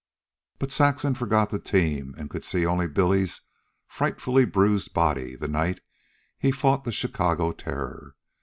But Saxon forgot the team and could only see Billy's frightfully bruised body the night he fought the Chicago Terror.